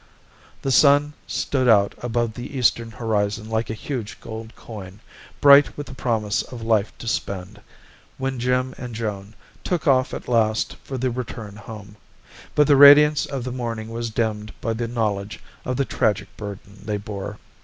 The sun stood out above the eastern horizon like a huge gold coin, bright with the promise of life to spend, when Jim and Joan took off at last for the return home; but the radiance of the morning was dimmed by the knowledge of the tragic burden they bore.